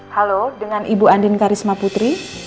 halo dengan ibu andin karisma putri